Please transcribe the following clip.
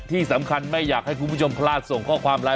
ที่สำคัญไม่อยากให้คุณผู้ชมพลาดส่งข้อความไลน